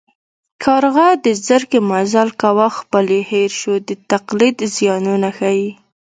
کارغه د زرکې مزل کاوه خپل یې هېر شو د تقلید زیانونه ښيي